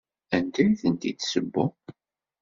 Anda ay tent-id-tessewwem?